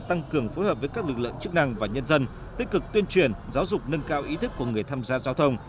tăng cường phối hợp với các lực lượng chức năng và nhân dân tích cực tuyên truyền giáo dục nâng cao ý thức của người tham gia giao thông